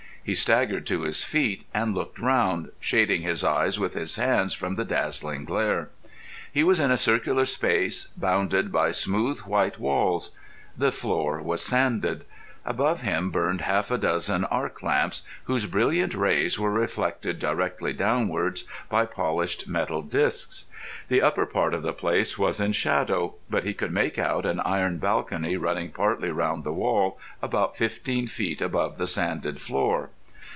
He staggered to his feet and looked round, shading his eyes with his hands from the dazzling glare. He was in a circular space bounded by smooth white walls. The floor was sanded. Above him burned half a dozen arc lamps, whose brilliant rays were reflected directly downwards by polished metal discs. The upper part of the place was in shadow, but he could make out an iron balcony running partly round the wall, about fifteen feet above the sanded floor.